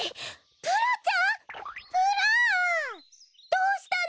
どうしたの？